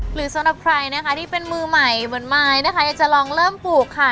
สำหรับใครนะคะที่เป็นมือใหม่เหมือนมายนะคะอยากจะลองเริ่มปลูกค่ะ